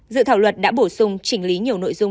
dự thảo luật đã bổ sung chỉnh lý nhiều nội dung